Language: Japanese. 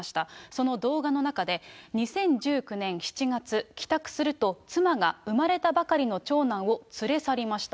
その動画の中で、２０１９年７月、帰宅すると妻が生まれたばかりの長男を連れ去りました。